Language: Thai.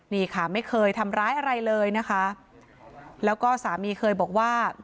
นี่ค่ะไม่เคยทำร้ายอะไรเลยนะคะแล้วก็สามีเคยบอกว่า